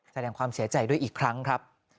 แสดงความเสียใจด้วยอีกครั้งครับ